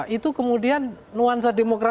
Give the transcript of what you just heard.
itu kemudian nuansa demokrasi